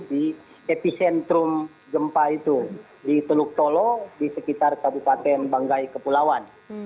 di epicentrum gempa itu di teluk tolo di sekitar kabupaten banggai kepulauan